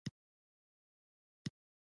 کچالو د بازار د ګټه ور توکي دي